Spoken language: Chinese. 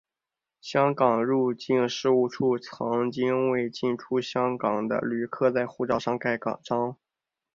香港入境事务处曾经为进出香港的旅客在护照上盖章。